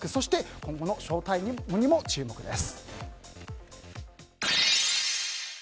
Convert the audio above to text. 今後のショウタイムにも注目です。